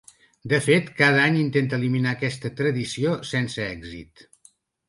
De fet, cada any intenta eliminar aquesta “tradició” sense èxit.